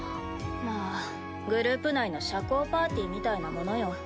まあグループ内の社交パーティーみたいなものよ。